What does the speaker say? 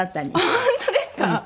本当ですか？